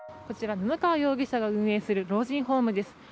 こちら、布川容疑者が運営する老人ホームです。